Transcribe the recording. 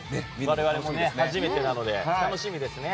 我々も初めてなので楽しみですね。